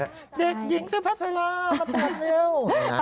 เด็กหญิงซื้อภาษาลามาตัดเร็ว